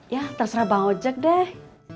ya terserah bang ojek deh